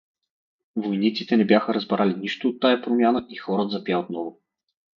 Войниците не бяха разбрали нищо от тая промяна и хорът запя отново.